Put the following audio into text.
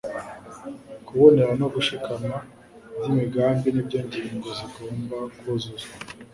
Kubonera no gushikama by'imigambi nibyo ngingo zigomba kuzuzwa